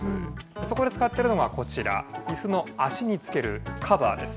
そこで使っているのが、こちら、いすの脚につけるカバーです。